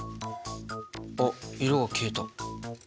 あっ色が消えた。